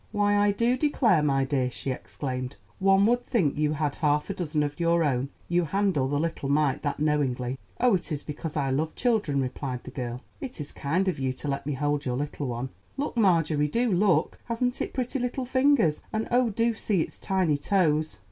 "Why, I do declare, my dear," she exclaimed, "one would think you had half a dozen of your own, you handle the little mite that knowingly!" "Oh, it is because I love children," replied the girl. "It is kind of you to let me hold your little one. Look, Marjorie, do look; hasn't it pretty little fingers; and oh, do see its tiny toes!"